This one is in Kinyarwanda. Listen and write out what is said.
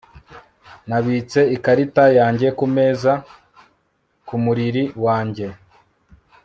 Nabitse ikarita yanjye kumeza kumuriri wanjye